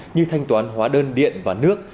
như thanh toán hóa đơn điện và nước